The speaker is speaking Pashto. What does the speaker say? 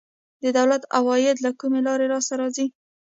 د دولت عواید له کومې لارې لاسته راځي؟